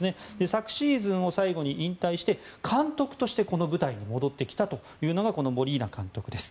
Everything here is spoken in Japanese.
昨シーズンを最後に引退して、監督としてこの舞台に戻ってきたというのがこのモリーナ監督です。